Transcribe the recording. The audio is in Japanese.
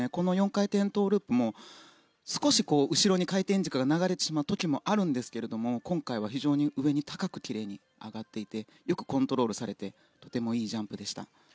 ４回転トウループも少し後ろに回転軸が流れてしまう時もあるんですが今回は非常に上に高くきれいに上がっていてよくコントロールされてとてもいいジャンプでした。